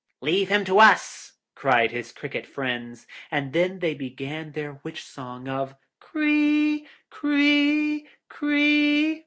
'Leave him to us!' cried his cricket friends; and then they began their witch song of 'Cree cree cree.'